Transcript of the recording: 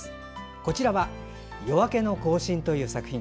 こちらは「夜明けの行進」という作品。